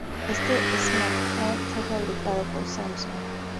Este smartphone fue fabricado por Samsung.